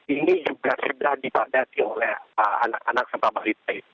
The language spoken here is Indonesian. ini juga sudah dipadati oleh anak anak serta balita